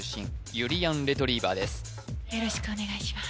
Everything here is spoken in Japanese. よろしくお願いします